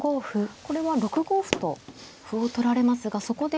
これは６五歩と歩を取られますがそこで。